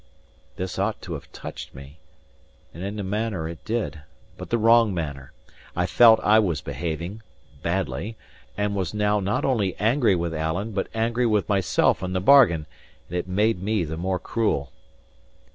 This ought to have touched me, and in a manner it did, but the wrong manner. I felt I was behaving badly; and was now not only angry with Alan, but angry with myself in the bargain; and it made me the more cruel.